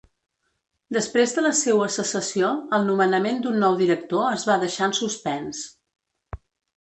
Després de la seua cessació, el nomenament d’un nou director es va deixar en suspens.